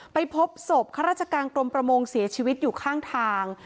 ไปพบศพข้าราชการกรมประมงเสียชีวิตอยู่ข้างทาง